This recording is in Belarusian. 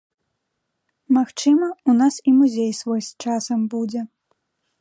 Магчыма, у нас і музей свой з часам будзе.